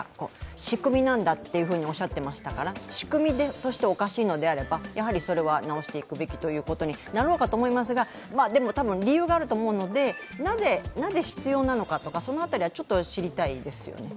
仕組みなんだとおっしゃっていましたから仕組みとしておかしいのであれば直していくべきということになろうかと思いますがでも多分理由があると思うのでなぜ必要なのか、その辺りは知りたいですよね。